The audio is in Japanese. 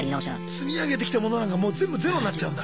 積み上げてきたものなんかもう全部ゼロになっちゃうんだ。